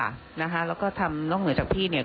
ก็คิดว่าคงถึงเวลาต้องดำเนินคดีจริงจังแล้วค่ะ